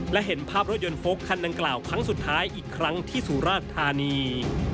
และเห็นภาพรถยนต์โฟลกคันดังกล่าวครั้งสุดท้ายอีกครั้งที่สุราชธานี